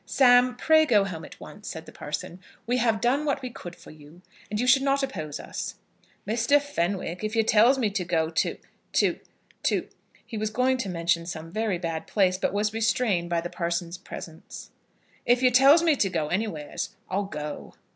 "Sam, pray go home at once," said the parson. "We have done what we could for you, and you should not oppose us." "Mr. Fenwick, if you tells me to go to to to," he was going to mention some very bad place, but was restrained by the parson's presence, "if you tells me to go anywheres, I'll go."